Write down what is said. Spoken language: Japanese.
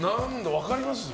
分かりますか。